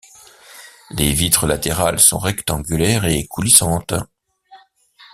Les vitres latérales sont rectangulaires et coulissantes.